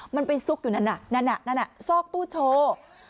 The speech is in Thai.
มันไปซุกอยู่นั่นน่ะนั่นซอกตู้โชว์